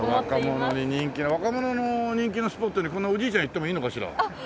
若者に人気な若者の人気なスポットにこんなおじいちゃんが行ってもいいのかしら？